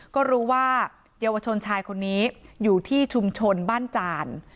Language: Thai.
ก็รู้ว่าเยาวชนชายคนนี้อยู่ที่ชุมชนบ้านจาน